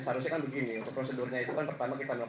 berhasil nyanyi dari warga asing